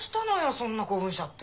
そんな興奮しちゃって。